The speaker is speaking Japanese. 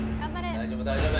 大丈夫大丈夫。